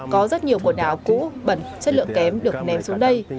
có rất nhiều quần áo cũ bẩn chất lượng kém được ném xuống đây